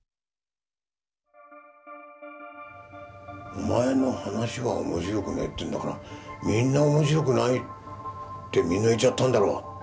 お前の噺は面白くねぇっていうんだからみんな面白くないって見抜いちゃったんだろ。